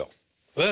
えっ！